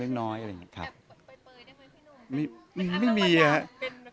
แบบไปเปยได้ไหมพี่หนุ่ม